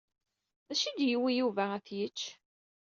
D acu i d-yewwi Yuba ad t-yečč?